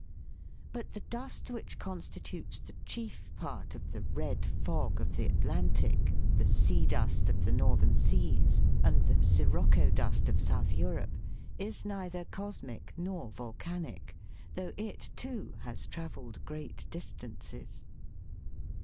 But the dust which constitutes the chief part of the " red fog " of the Atlantic, the " sea dust " of the northern seas, and the " sirocco dust " of South Europe, is neither cosmic nor volcanic, though it, too, has travelled great distances.